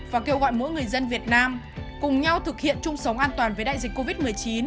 và kêu gọi mỗi người dân việt nam cùng nhau thực hiện chung sống an toàn với đại dịch covid một mươi chín